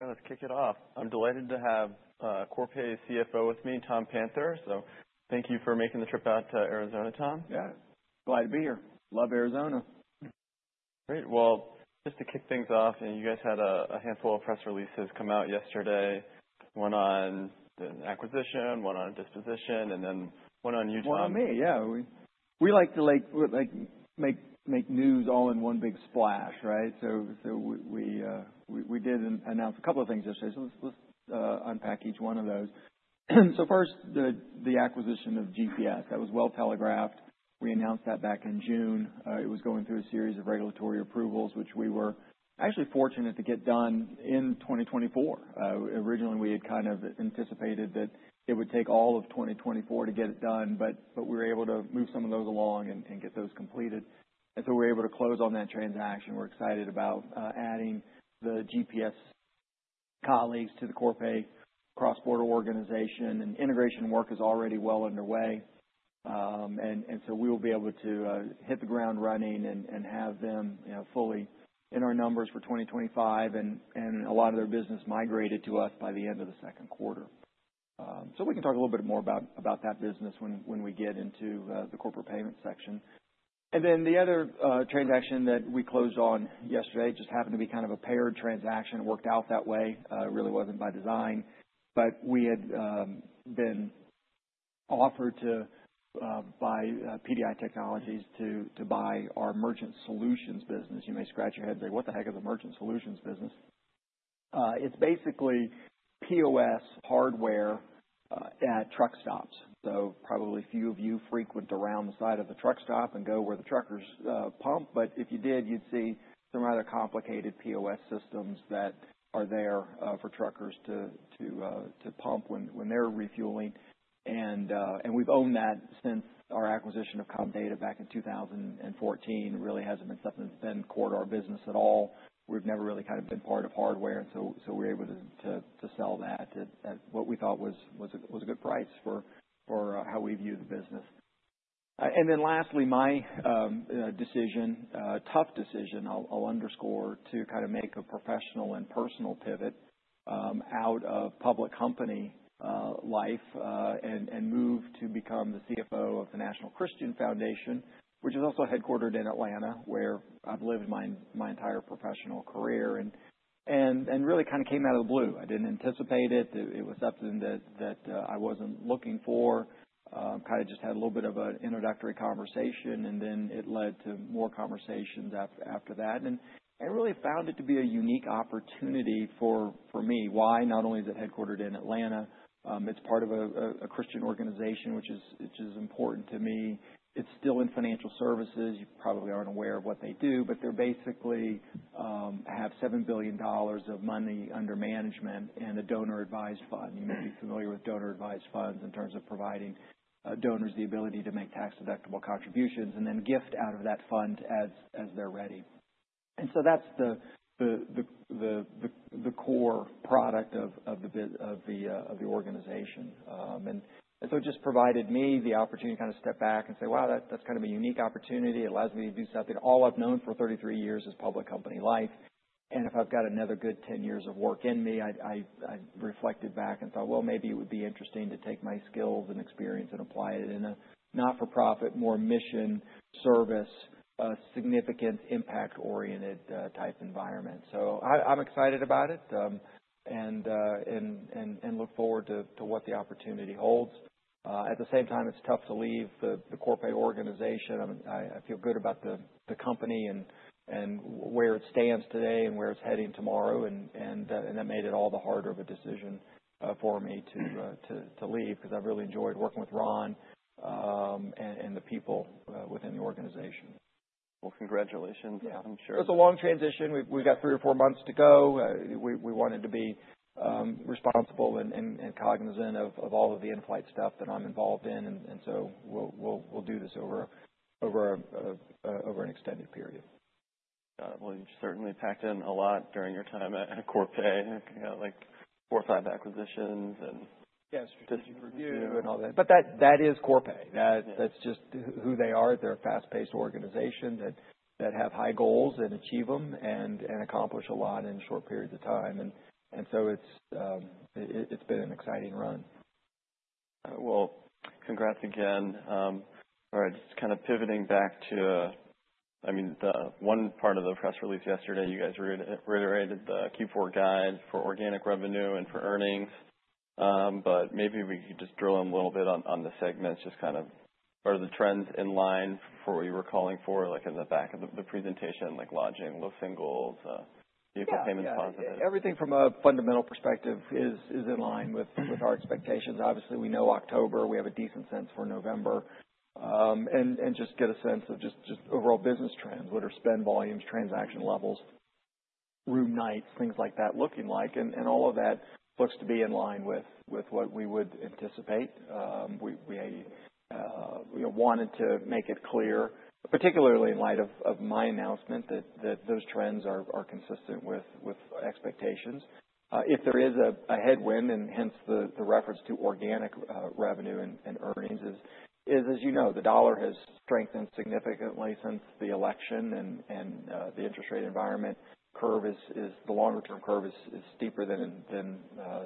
Yeah, let's kick it off. I'm delighted to have Corpay CFO with me, Tom Panther. So thank you for making the trip out to Arizona, Tom. Yeah, glad to be here. Love Arizona. Great. Just to kick things off, you guys had a handful of press releases come out yesterday. One on an acquisition, one on disposition, and then one on news. One on me. Yeah. We like to, like, make news all in one big splash, right? So we did announce a couple of things yesterday. So let's unpack each one of those. So first, the acquisition of GPS. That was well telegraphed. We announced that back in June. It was going through a series of regulatory approvals, which we were actually fortunate to get done in 2024. Originally we had kind of anticipated that it would take all of 2024 to get it done, but we were able to move some of those along and get those completed, and so we were able to close on that transaction. We're excited about adding the GPS colleagues to the Corpay cross-border organization, and integration work is already well underway. So we will be able to hit the ground running and have them, you know, fully in our numbers for 2025. A lot of their business migrated to us by the end of the second quarter. So we can talk a little bit more about that business when we get into the corporate payment section. Then the other transaction that we closed on yesterday just happened to be kind of a paired transaction. It worked out that way. It really wasn't by design, but we had been offered by PDI Technologies to buy our merchant solutions business. You may scratch your head and say, "What the heck is a merchant solutions business?" It's basically POS hardware at truck stops. So probably few of you frequent around the side of the truck stop and go where the truckers pump. But if you did, you'd see some rather complicated POS systems that are there for truckers to pump when they're refueling. And we've owned that since our acquisition of Comdata back in 2014. It really hasn't been something that's been core to our business at all. We've never really kind of been part of hardware. And so we're able to sell that at what we thought was a good price for how we view the business. Then lastly, my tough decision, I'll underscore to kind of make a professional and personal pivot out of public company life and move to become the CFO of the National Christian Foundation, which is also headquartered in Atlanta, where I've lived my entire professional career. And really kind of came out of the blue. I didn't anticipate it. It was something that I wasn't looking for. Kind of just had a little bit of an introductory conversation, and then it led to more conversations after that. And really found it to be a unique opportunity for me. Why? Not only is it headquartered in Atlanta, it's part of a Christian organization, which is important to me. It's still in financial services. You probably aren't aware of what they do, but they're basically have $7 billion of money under management and a donor-advised fund. You may be familiar with donor-advised funds in terms of providing donors the ability to make tax-deductible contributions and then gift out of that fund as they're ready. And so that's the core product of the organization. And so it just provided me the opportunity to kind of step back and say, "Wow, that's kind of a unique opportunity. It allows me to do something." All I've known for 33 years is public company life. And if I've got another good 10 years of work in me, I reflected back and thought, "Well, maybe it would be interesting to take my skills and experience and apply it in a not-for-profit, more mission-service, significant impact-oriented, type environment." So I'm excited about it, and look forward to what the opportunity holds. At the same time, it's tough to leave the Corpay organization. I mean, I feel good about the company and where it stands today and where it's heading tomorrow. That made it all the harder of a decision for me to leave because I've really enjoyed working with Ron and the people within the organization. Well, congratulations. Yeah. I'm sure. It's a long transition. We've got three or four months to go. We wanted to be responsible and cognizant of all of the in-flight stuff that I'm involved in, and so we'll do this over an extended period. Well, you've certainly packed in a lot during your time at Corpay. You got like four or five acquisitions and. Yeah, strategic review and all that. But that is Corpay. That's just who they are. They're a fast-paced organization that have high goals and achieve them and accomplish a lot in short periods of time. And so it's been an exciting run. Well, congrats again. All right. Just kind of pivoting back to, I mean, the one part of the press release yesterday, you guys reiterated the Q4 guide for organic revenue and for earnings. But maybe we could just drill in a little bit on the segments, just kind of are the trends in line for what you were calling for, like in the back of the presentation, like lodging, low singles, vehicle payments. Yeah. Positives. Everything from a fundamental perspective is in line with our expectations. Obviously, we know October. We have a decent sense for November and just get a sense of overall business trends. What are spend volumes, transaction levels, room nights, things like that looking like, and all of that looks to be in line with what we would anticipate. We, you know, wanted to make it clear, particularly in light of my announcement that those trends are consistent with expectations. If there is a headwind, and hence the reference to organic revenue and earnings is, as you know, the dollar has strengthened significantly since the election, and the interest rate environment curve is the longer-term curve is steeper than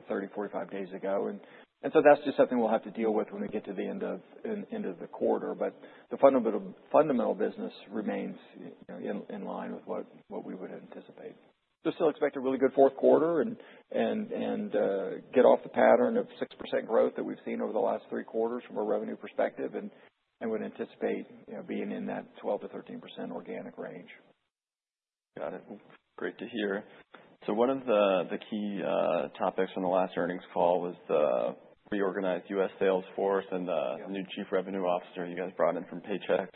30, 45 days ago. And so that's just something we'll have to deal with when we get to the end of the quarter. But the fundamental business remains, you know, in line with what we would anticipate. So still expect a really good fourth quarter and get off the pattern of 6% growth that we've seen over the last three quarters from a revenue perspective. And we'd anticipate, you know, being in that 12%-13% organic range. Got it. Great to hear. So one of the key topics on the last earnings call was the reorganized U.S. sales force and the. Yeah. New chief revenue officer you guys brought in from Paychex.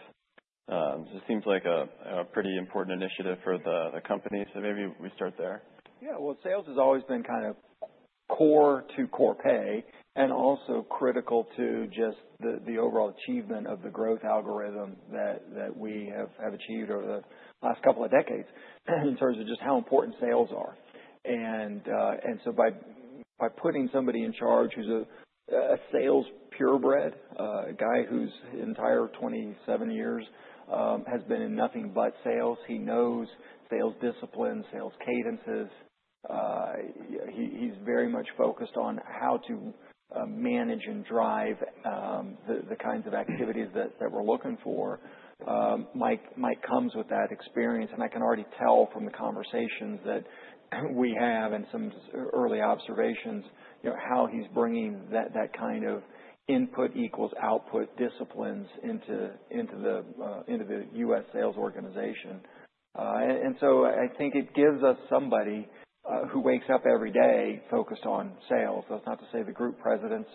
So it seems like a pretty important initiative for the company. So maybe we start there. Yeah. Well, sales has always been kind of core to Corpay and also critical to just the overall achievement of the growth algorithm that we have achieved over the last couple of decades in terms of just how important sales are. And so by putting somebody in charge who's a sales purebred, a guy whose entire 27 years has been in nothing but sales, he knows sales discipline, sales cadences. He’s very much focused on how to manage and drive the kinds of activities that we're looking for. Mike, Mike comes with that experience. And I can already tell from the conversations that we have and some early observations, you know, how he's bringing that kind of input equals output disciplines into the U.S. sales organization. So I think it gives us somebody who wakes up every day focused on sales. That's not to say the group presidents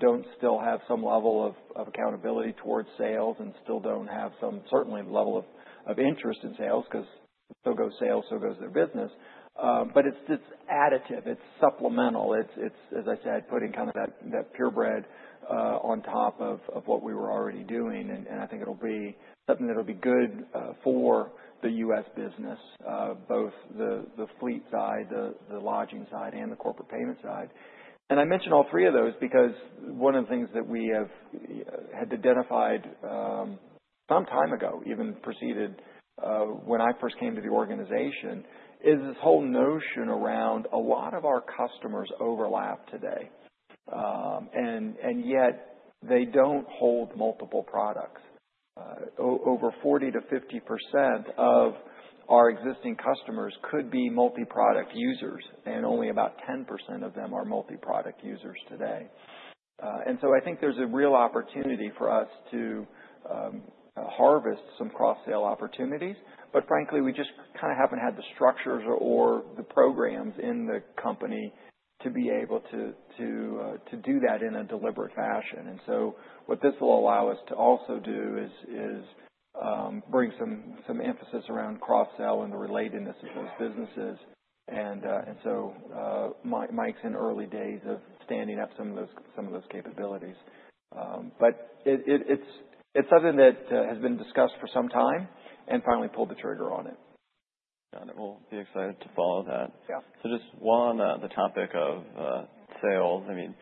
don't still have some level of accountability towards sales and still don't have some certain level of interest in sales because so goes sales, so goes their business. But it's additive. It's supplemental. It's, as I said, putting kind of that purebred on top of what we were already doing. I think it'll be something that'll be good for the US business, both the fleet side, the lodging side, and the corporate payment side. I mentioned all three of those because one of the things that we had identified some time ago, even preceded when I first came to the organization, is this whole notion around a lot of our customers overlap today. Yet they don't hold multiple products. Over 40%-50% of our existing customers could be multi-product users, and only about 10% of them are multi-product users today. So I think there's a real opportunity for us to harvest some cross-sell opportunities. But frankly, we just kind of haven't had the structures or the programs in the company to be able to do that in a deliberate fashion. So what this will allow us to also do is bring some emphasis around cross-sell and the relatedness of those businesses. So Mike's in the early days of standing up some of those capabilities. But it's something that has been discussed for some time and finally pulled the trigger on it. Got it. We'll be excited to follow that. Yeah. So just one, the topic of sales. I mean,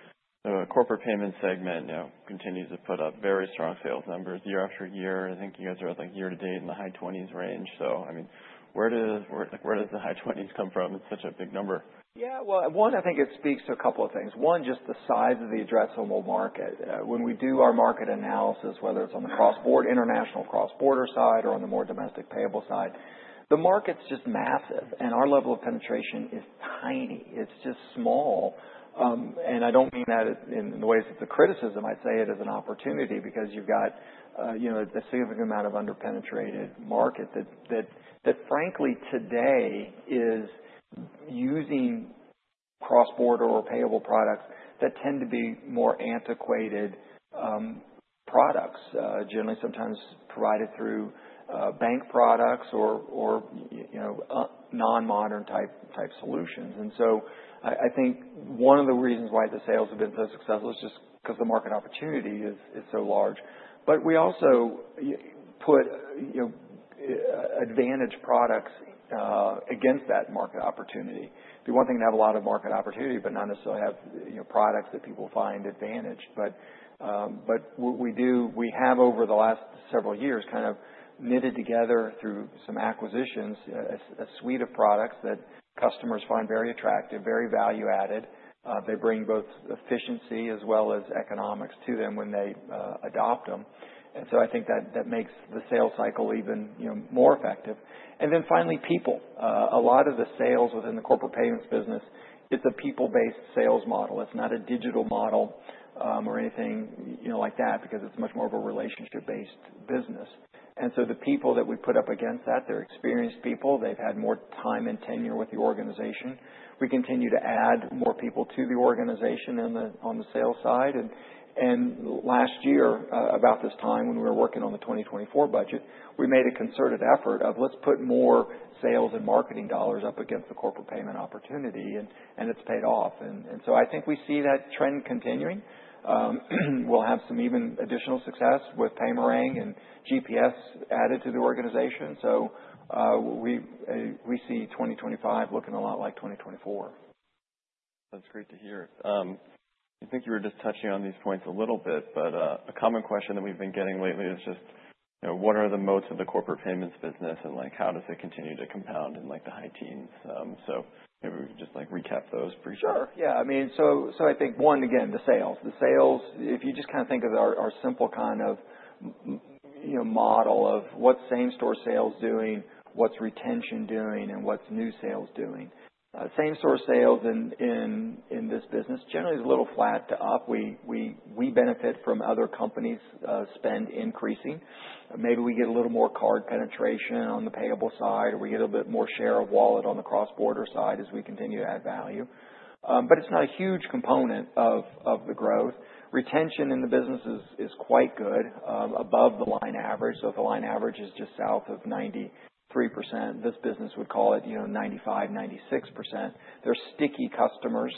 the corporate payment segment, you know, continues to put up very strong sales numbers year after year. I think you guys are at like year to date in the high 20s range. So, I mean, where does the high 20s come from? It's such a big number. Yeah. Well, one, I think it speaks to a couple of things. One, just the size of the addressable market. When we do our market analysis, whether it's on the cross-border, international cross-border side, or on the more domestic payable side, the market's just massive. And our level of penetration is tiny. It's just small, and I don't mean that in the ways of the criticism. I'd say it is an opportunity because you've got, you know, a significant amount of underpenetrated market that frankly today is using cross-border or payable products that tend to be more antiquated, products, generally sometimes provided through bank products or, you know, non-modern type solutions. And so I think one of the reasons why the sales have been so successful is just because the market opportunity is so large. But we also put, you know, advantage products against that market opportunity. We want them to have a lot of market opportunity but not necessarily have, you know, products that people find advantage. But we do. We have over the last several years kind of knitted together through some acquisitions a suite of products that customers find very attractive, very value-added. They bring both efficiency as well as economics to them when they adopt them. And so I think that makes the sales cycle even, you know, more effective. And then finally, people. A lot of the sales within the corporate payments business, it's a people-based sales model. It's not a digital model or anything, you know, like that because it's much more of a relationship-based business. And so the people that we put up against that, they're experienced people. They've had more time and tenure with the organization. We continue to add more people to the organization on the sales side. And last year, about this time when we were working on the 2024 budget, we made a concerted effort of, "Let's put more sales and marketing dollars up against the corporate payment opportunity," and it's paid off. And so I think we see that trend continuing. We'll have some even additional success with Paymerang and GPS added to the organization. So we see 2025 looking a lot like 2024. That's great to hear. I think you were just touching on these points a little bit, but, a common question that we've been getting lately is just, you know, what are the moats of the corporate payments business and, like, how does it continue to compound in, like, the high teens? So maybe we could just, like, recap those briefly. Sure. Yeah. I mean, so I think one, again, the sales. The sales, if you just kind of think of our simple kind of, you know, model of what's same-store sales doing, what's retention doing, and what's new sales doing. Same-store sales in this business generally is a little flat to up. We benefit from other companies, spend increasing. Maybe we get a little more card penetration on the payable side, or we get a little bit more share of wallet on the cross-border side as we continue to add value, but it's not a huge component of the growth. Retention in the business is quite good, above the line average, so if the line average is just south of 93%, this business would call it, you know, 95%-96%. They're sticky customers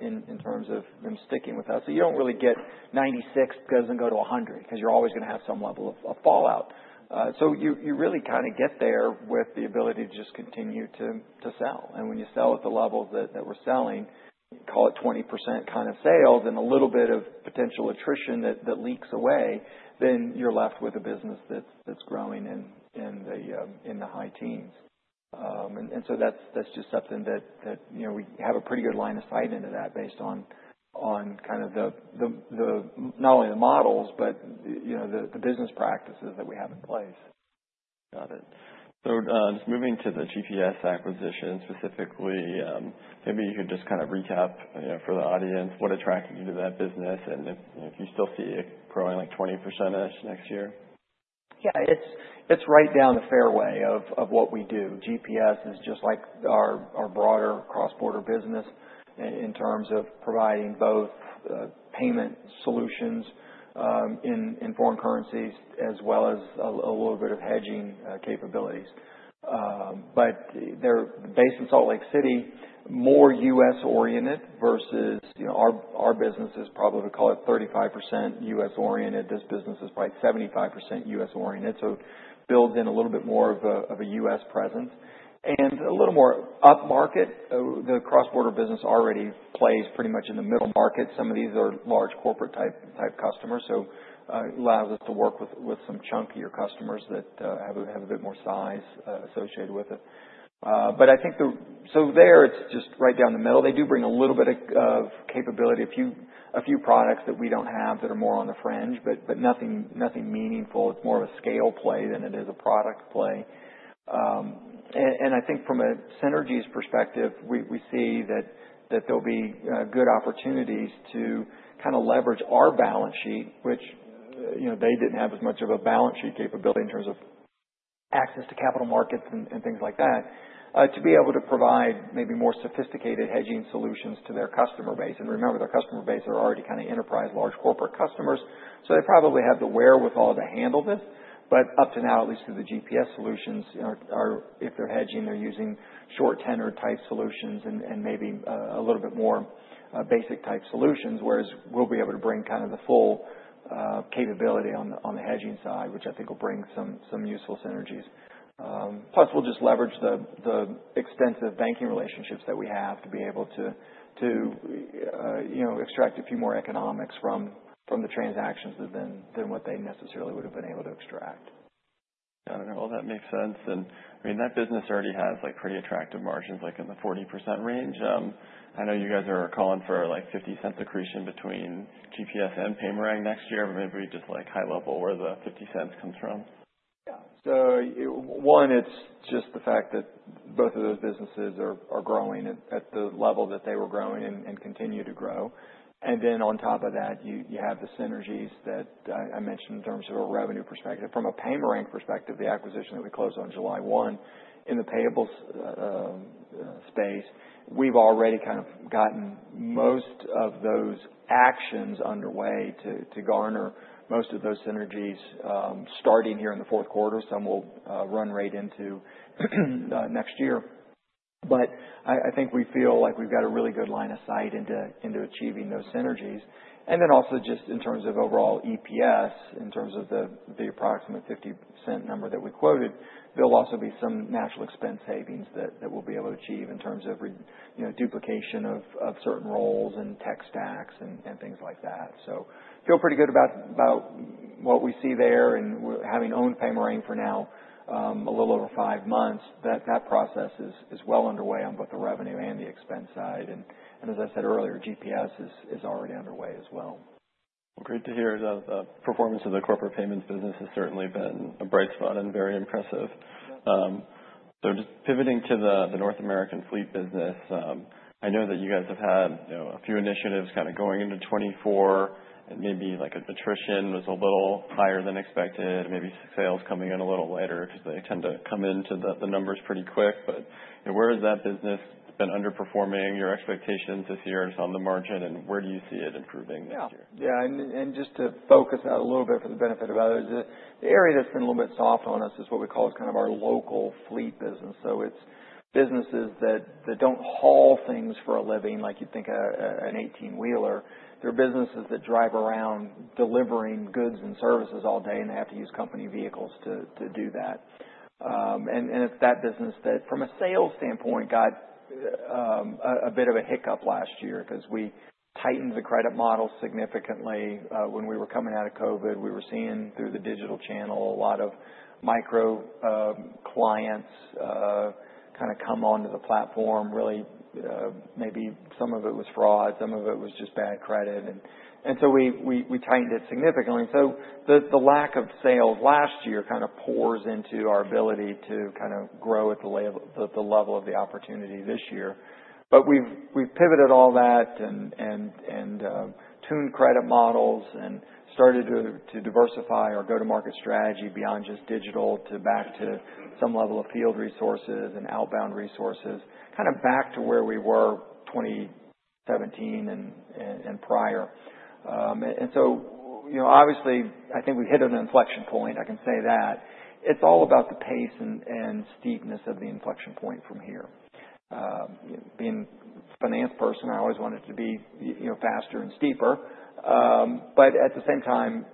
in terms of them sticking with us. So you don't really get 96% because it doesn't go to 100% because you're always going to have some level of fallout, so you really kind of get there with the ability to just continue to sell, and when you sell at the levels that we're selling, call it 20% kind of sales and a little bit of potential attrition that leaks away, then you're left with a business that's growing in the high teens, and so that's just something that you know, we have a pretty good line of sight into that based on kind of the not only the models, but you know, the business practices that we have in place. Got it. So, just moving to the GPS acquisition specifically, maybe you could just kind of recap, you know, for the audience what attracted you to that business and if, you know, if you still see it growing like 20%-ish next year? Yeah. It's right down the fairway of what we do. GPS is just like our broader cross-border business in terms of providing both payment solutions in foreign currencies as well as a little bit of hedging capabilities. But they're based in Salt Lake City, more U.S.-oriented versus, you know, our business is probably, we call it 35% U.S.-oriented. This business is probably 75% U.S.-oriented. So it builds in a little bit more of a U.S. presence and a little more upmarket. The cross-border business already plays pretty much in the middle market. Some of these are large corporate-type customers. So, it allows us to work with some chunkier customers that have a bit more size associated with it. But I think the so there, it's just right down the middle. They do bring a little bit of capability, a few products that we don't have that are more on the fringe, but nothing meaningful. It's more of a scale play than it is a product play. And I think from a synergies perspective, we see that there'll be good opportunities to kind of leverage our balance sheet, which, you know, they didn't have as much of a balance sheet capability in terms of access to capital markets and things like that, to be able to provide maybe more sophisticated hedging solutions to their customer base. And remember, their customer base are already kind of enterprise large corporate customers. So they probably have the wherewithal to handle this. But up to now, at least through the GPS solutions, you know, if they're hedging, they're using short tenor type solutions and maybe a little bit more basic type solutions, whereas we'll be able to bring kind of the full capability on the hedging side, which I think will bring some useful synergies. Plus we'll just leverage the extensive banking relationships that we have to be able to, you know, extract a few more economics from the transactions than what they necessarily would have been able to extract. Got it. Well, that makes sense. And I mean, that business already has like pretty attractive margins, like in the 40% range. I know you guys are calling for like $0.50 accretion between GPS and Paymerang next year, but maybe just like high level where the $0.50 comes from. Yeah. So one, it's just the fact that both of those businesses are growing at the level that they were growing and continue to grow. And then on top of that, you have the synergies that I mentioned in terms of a revenue perspective. From a Paymerang perspective, the acquisition that we closed on July 1 in the payables space, we've already kind of gotten most of those actions underway to garner most of those synergies, starting here in the fourth quarter. Some will run right into next year. But I think we feel like we've got a really good line of sight into achieving those synergies. And then also just in terms of overall EPS, in terms of the approximate 50% number that we quoted, there'll also be some natural expense savings that we'll be able to achieve in terms of, you know, duplication of certain roles and tech stacks and things like that. So feel pretty good about what we see there and having owned Paymerang for now, a little over five months, that process is well underway on both the revenue and the expense side. And as I said earlier, GPS is already underway as well. Well, great to hear. The performance of the corporate payments business has certainly been a bright spot and very impressive, so just pivoting to the North American fleet business, I know that you guys have had, you know, a few initiatives kind of going into 2024 and maybe like attrition was a little higher than expected, maybe sales coming in a little later because they tend to come into the numbers pretty quick. But, you know, where has that business been underperforming your expectations this year? It's on the margin, and where do you see it improving next year? Yeah. Yeah. And, and just to focus out a little bit for the benefit of others, the, the area that's been a little bit soft on us is what we call is kind of our local fleet business. So it's businesses that, that don't haul things for a living, like you'd think a, a, an 18-wheeler. They're businesses that drive around delivering goods and services all day, and they have to use company vehicles to, to do that. And, and it's that business that from a sales standpoint got, a, a bit of a hiccup last year because we tightened the credit model significantly. When we were coming out of COVID, we were seeing through the digital channel a lot of micro, clients, kind of come onto the platform, really. Maybe some of it was fraud, some of it was just bad credit. We tightened it significantly. The lack of sales last year kind of pours into our ability to grow at the level of the opportunity this year. But we've pivoted all that and tuned credit models and started to diversify our go-to-market strategy beyond just digital to back to some level of field resources and outbound resources, kind of back to where we were 2017 and prior. You know, obviously, I think we hit an inflection point. I can say that. It's all about the pace and steepness of the inflection point from here. Being a finance person, I always wanted it to be, you know, faster and steeper. But at the same time,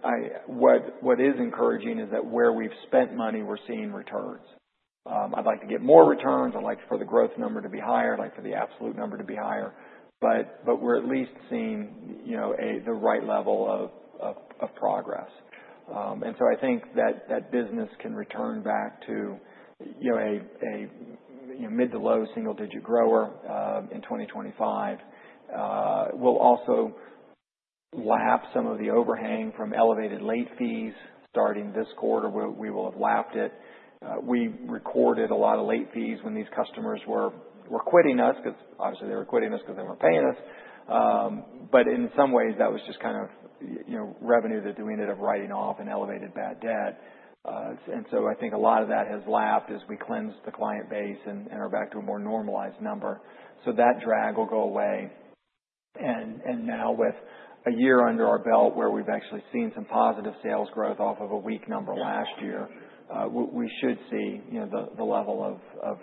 what is encouraging is that where we've spent money, we're seeing returns. I'd like to get more returns. I'd like for the growth number to be higher. I'd like for the absolute number to be higher. But we're at least seeing, you know, at the right level of progress. And so I think that business can return back to, you know, a mid to low single-digit grower in 2025. We'll also lap some of the overhang from elevated late fees starting this quarter, where we will have lapped it. We recorded a lot of late fees when these customers were quitting us because obviously they were quitting us because they weren't paying us. But in some ways that was just kind of, you know, revenue that we ended up writing off and elevated bad debt. And so I think a lot of that has lapped as we cleansed the client base and are back to a more normalized number. So that drag will go away. And now with a year under our belt where we've actually seen some positive sales growth off of a weak number last year, we should see, you know, the level of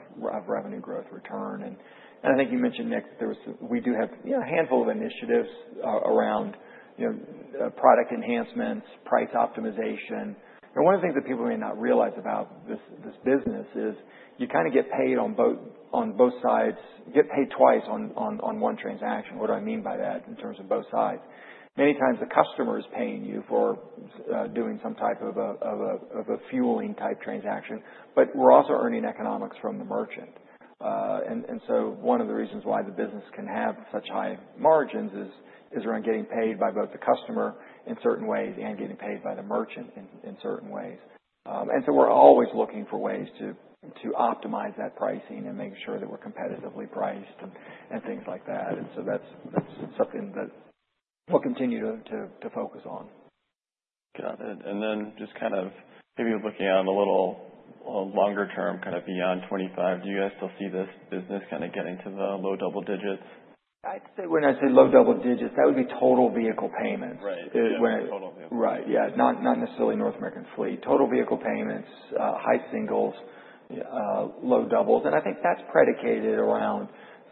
revenue growth return. And I think you mentioned, Nick, that we do have, you know, a handful of initiatives around, you know, product enhancements, price optimization. And one of the things that people may not realize about this business is you kind of get paid on both sides, get paid twice on one transaction. What do I mean by that in terms of both sides? Many times the customer is paying you for doing some type of a fueling type transaction, but we're also earning economics from the merchant. One of the reasons why the business can have such high margins is around getting paid by both the customer in certain ways and getting paid by the merchant in certain ways. We're always looking for ways to optimize that pricing and make sure that we're competitively priced and things like that. That's something that we'll continue to focus on. Got it. And then just kind of maybe looking a little longer term kind of beyond 2025, do you guys still see this business kind of getting to the low double digits? I'd say when I say low double digits, that would be total vehicle payments. Right. Yeah. Total vehicle payments. Right. Yeah. Not necessarily North American fleet. Total vehicle payments, high singles, low doubles. I think that's predicated around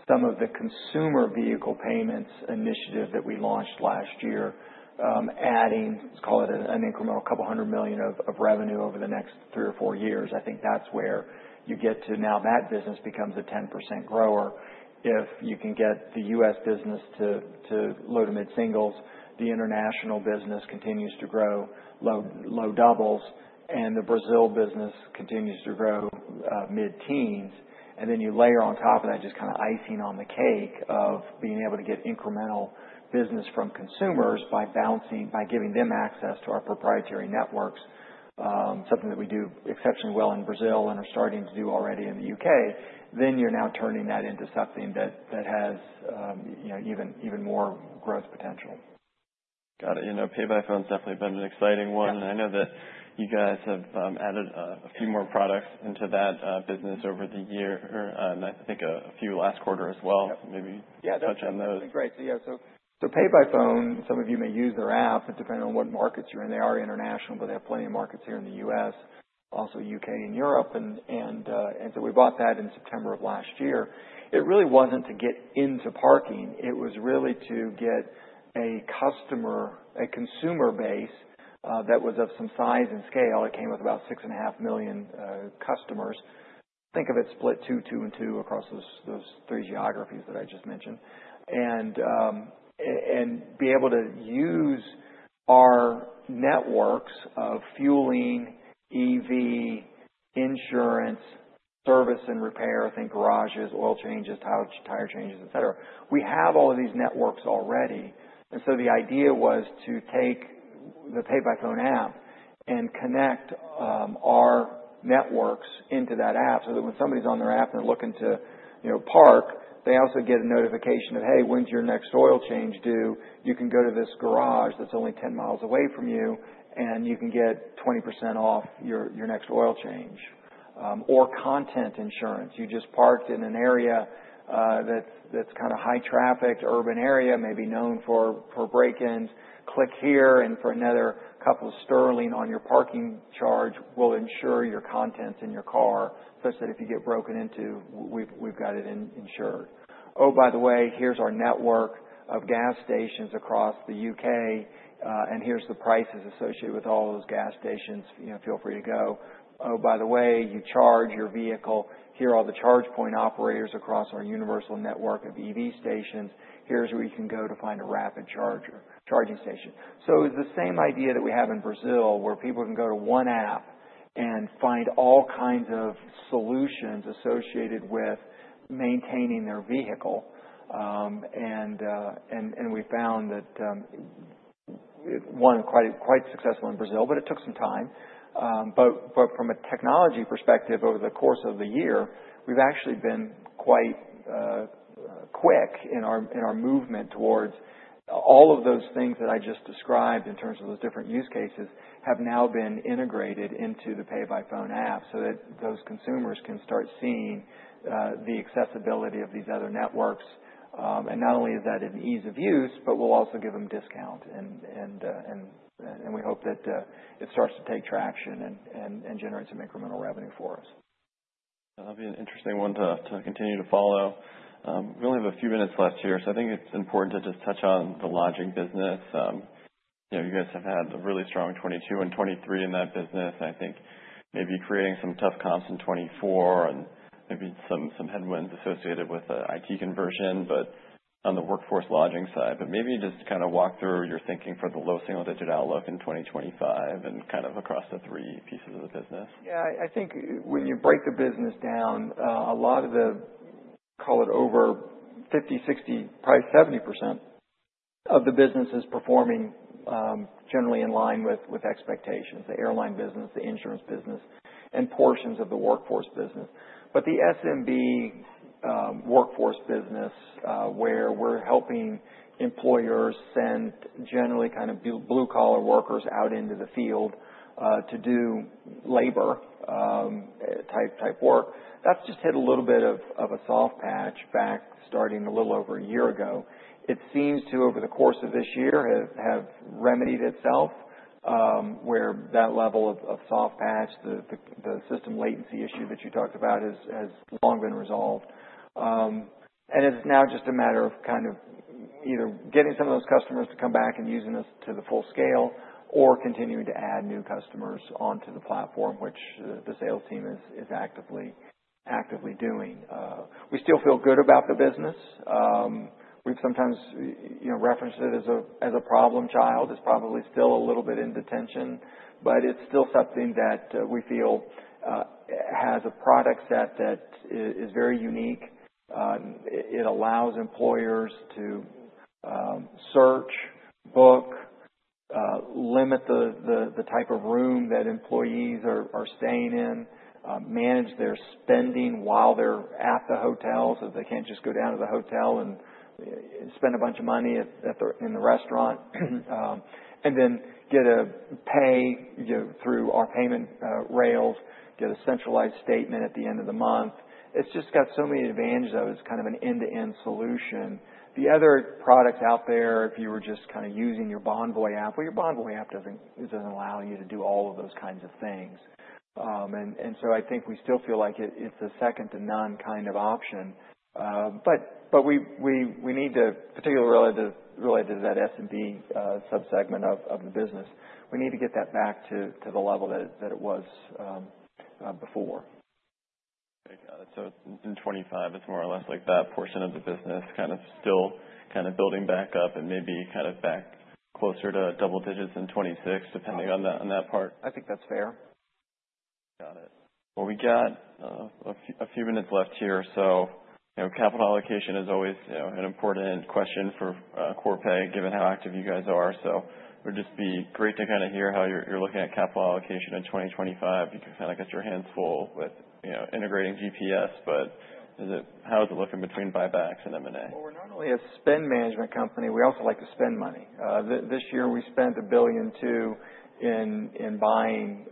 some of the consumer vehicle payments initiative that we launched last year, adding, let's call it an incremental couple hundred million of revenue over the next three or four years. I think that's where you get to. Now that business becomes a 10% grower if you can get the U.S. business to low to mid singles. The international business continues to grow low doubles, and the Brazil business continues to grow mid teens. Then you layer on top of that just kind of icing on the cake of being able to get incremental business from consumers by giving them access to our proprietary networks, something that we do exceptionally well in Brazil and are starting to do already in the U.K. You're now turning that into something that has, you know, even more growth potential. Got it. You know, PayByPhone's definitely been an exciting one. And I know that you guys have added a few more products into that business over the year, and I think a few last quarter as well. Maybe touch on those. Yeah. That'd be great. So yeah. So, PayByPhone, some of you may use their app, but depending on what markets you're in, they are international, but they have plenty of markets here in the U.S., also U.K. and Europe. And so we bought that in September of last year. It really wasn't to get into parking. It was really to get a customer, a consumer base, that was of some size and scale. It came with about 6.5 million customers. Think of it split two, two and two across those three geographies that I just mentioned. And be able to use our networks of fueling, EV, insurance, service and repair, think garages, oil changes, tire changes, etc. We have all of these networks already. And so the idea was to take the PayByPhone app and connect our networks into that app so that when somebody's on their app and they're looking to, you know, park, they also get a notification of, "Hey, when's your next oil change due? You can go to this garage that's only 10 mi away from you, and you can get 20% off your next oil change," or contents insurance. You just parked in an area that's kind of high traffic urban area, maybe known for break-ins. Click here, and for another couple of Sterling on your parking charge will insure your contents in your car such that if you get broken into, we've got it insured. Oh, by the way, here's our network of gas stations across the U.K. And here's the prices associated with all those gas stations. You know, feel free to go. Oh, by the way, you charge your vehicle. Here are all the charge point operators across our universal network of EV stations. Here's where you can go to find a rapid charger, charging station. So it's the same idea that we have in Brazil where people can go to one app and find all kinds of solutions associated with maintaining their vehicle, and we found that it was quite successful in Brazil, but it took some time. But from a technology perspective, over the course of the year, we've actually been quite quick in our movement towards all of those things that I just described in terms of those different use cases have now been integrated into the PayByPhone app so that those consumers can start seeing the accessibility of these other networks. And not only is that an ease of use, but we'll also give them discount. And we hope that it starts to take traction and generate some incremental revenue for us. That'll be an interesting one to continue to follow. We only have a few minutes left here, so I think it's important to just touch on the lodging business. You know, you guys have had a really strong 2022 and 2023 in that business. I think maybe creating some tough comps in 2024 and maybe some headwinds associated with IT conversion, but on the workforce lodging side. But maybe just kind of walk through your thinking for the low single-digit outlook in 2025 and kind of across the three pieces of the business. Yeah. I think when you break the business down, a lot of the, call it over 50%, 60%, probably 70% of the business is performing, generally in line with expectations, the airline business, the insurance business, and portions of the workforce business, but the SMB, workforce business, where we're helping employers send generally kind of blue-collar workers out into the field, to do labor, type work, that's just hit a little bit of a soft patch back starting a little over a year ago. It seems to, over the course of this year, have remedied itself, where that level of soft patch, the system latency issue that you talked about has long been resolved. And it's now just a matter of kind of either getting some of those customers to come back and using us to the full scale or continuing to add new customers onto the platform, which the sales team is actively doing. We still feel good about the business. We've sometimes, you know, referenced it as a problem child. It's probably still a little bit in detention, but it's still something that we feel has a product set that is very unique. It allows employers to search, book, limit the type of room that employees are staying in, manage their spending while they're at the hotel so they can't just go down to the hotel and spend a bunch of money at the bar in the restaurant. and then get paid, you know, through our payment rails, get a centralized statement at the end of the month. It's just got so many advantages to it. It's kind of an end-to-end solution. The other products out there, if you were just kind of using your Bonvoy app, well, your Bonvoy app doesn't allow you to do all of those kinds of things. And so I think we still feel like it's a second-to-none kind of option. But we need to, particularly related to that SMB subsegment of the business, get that back to the level that it was before. Okay. Got it. So in 2025, it's more or less like that portion of the business kind of still kind of building back up and maybe kind of back closer to double digits in 2026, depending on that, on that part. I think that's fair. Got it. We got a few minutes left here. You know, capital allocation is always, you know, an important question for Corpay, given how active you guys are. It would just be great to kind of hear how you're looking at capital allocation in 2025. You can kind of get your hands full with, you know, integrating GPS, but how is it looking between buybacks and M&A? We're not only a spend management company, we also like to spend money. This year we spent $1 billion in buying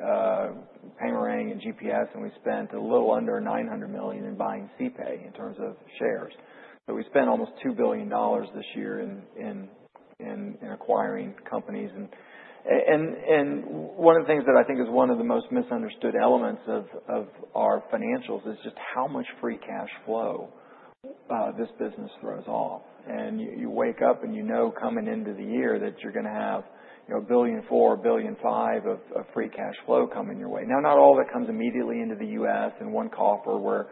Paymerang and GPS, and we spent a little under $900 million in buying CPAY in terms of shares. So we spent almost $2 billion this year in acquiring companies. One of the things that I think is one of the most misunderstood elements of our financials is just how much free cash flow this business throws off. You wake up and you know coming into the year that you're going to have, you know, $1.4 billion-$1.5 billion of free cash flow coming your way. Now, not all of it comes immediately into the U.S. in one coffer where,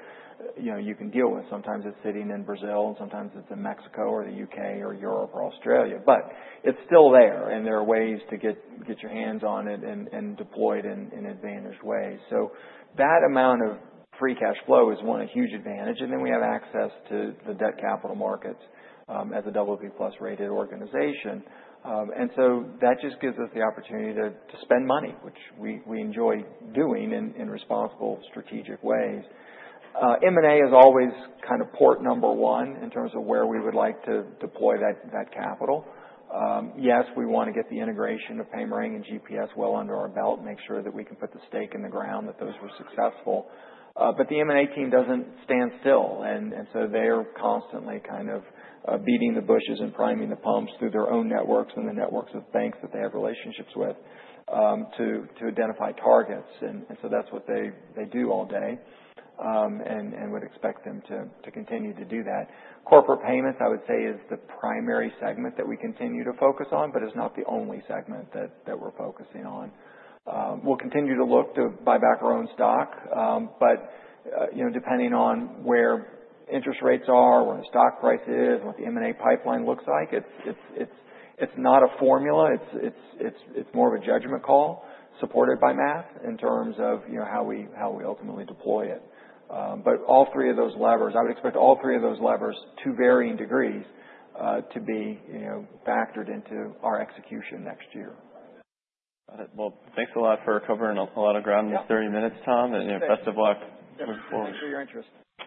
you know, you can deal with. Sometimes it's sitting in Brazil and sometimes it's in Mexico or the U.K. or Europe or Australia, but it's still there and there are ways to get your hands on it and deploy it in advantaged ways. So that amount of free cash flow is one huge advantage, and then we have access to the debt capital markets, as a BB+ rated organization, and so that just gives us the opportunity to spend money, which we enjoy doing in responsible strategic ways. M&A is always kind of port number one in terms of where we would like to deploy that capital. Yes, we want to get the integration of Paymerang and GPS well under our belt and make sure that we can put the stake in the ground that those were successful, but the M&A team doesn't stand still. And so they're constantly kind of beating the bushes and priming the pumps through their own networks and the networks of banks that they have relationships with to identify targets. And so that's what they do all day. And would expect them to continue to do that. Corporate payments, I would say, is the primary segment that we continue to focus on, but it's not the only segment that we're focusing on. We'll continue to look to buy back our own stock. But you know, depending on where interest rates are, where the stock price is, what the M&A pipeline looks like, it's not a formula. It's more of a judgment call supported by math in terms of you know how we ultimately deploy it. But all three of those levers, I would expect all three of those levers to varying degrees, to be, you know, factored into our execution next year. Got it. Thanks a lot for covering a lot of ground in the 30 minutes, Tom. You know, best of luck moving forward. Thank you for your interest.